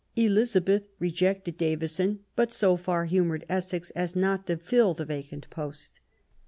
Elizabeth rejected Davison, but so far humoured Essex as not to fill the vacant post.